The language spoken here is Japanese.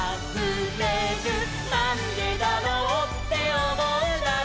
「なんでだろうっておもうなら」